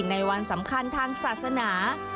ในวันสำคัญทางศาสนา